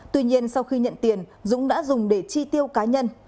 tuy nhiên sau khi nhận tiền dũng đã dùng để chi tiêu cá nhân